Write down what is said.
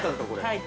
◆はい。